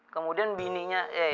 kemudian bininya eh